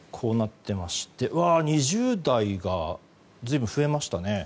２０代が随分増えましたね。